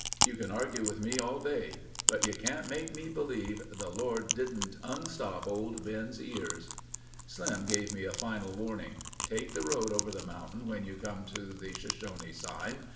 You can argue with me all day but you can't make me believe the Lord didn't unstop old Ben's ears." Slim gave me a final warning. "Take the road over the mountain when you come to the Shoshone sign.